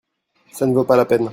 ça ne vaut pas la peine.